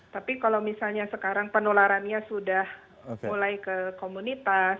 tapi kalau misalnya sekarang penularannya sudah mulai ke komunitas